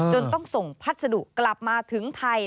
ต้องส่งพัสดุกลับมาถึงไทย